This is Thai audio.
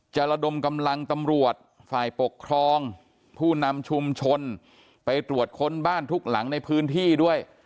ระดมกำลังตำรวจฝ่ายปกครองผู้นำชุมชนไปตรวจค้นบ้านทุกหลังในพื้นที่ด้วย